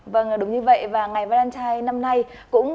vâng đúng như vậy và ngày valentine năm nay cũng đặc biệt là ngày này